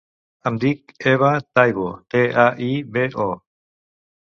Em dic Eva Taibo: te, a, i, be, o.